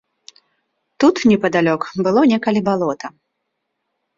Тут непадалёк было некалі балота.